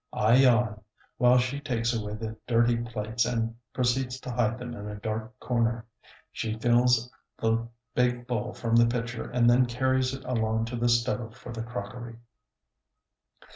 I yawn, while she takes away the dirty plates and proceeds to hide them in a dark corner. She fills the big bowl from the pitcher and then carries it along to the stove for the crockery.